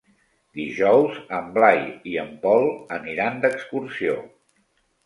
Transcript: Dijous en Blai i en Pol aniran d'excursió.